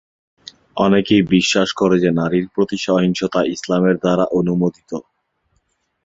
অনেকেই বিশ্বাস করে যে নারীর প্রতি সহিংসতা ইসলামের দ্বারা অনুমোদিত।